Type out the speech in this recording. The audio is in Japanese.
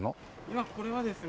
今これはですね